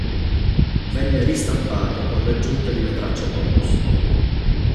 Venne ristampato con l'aggiunta di una traccia bonus.